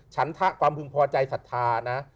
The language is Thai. ฉันทะความพึงพอใจศรัทธานะ